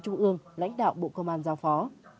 trung ương lãnh đạo bộ công an giao phó